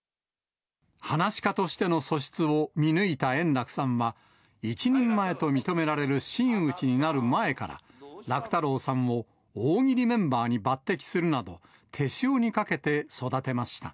はなし家としての素質を見抜いた円楽さんは、一人前と認められる真打ちになる前から、楽太郎さんを大喜利メンバーに抜てきするなど、手塩にかけて育てました。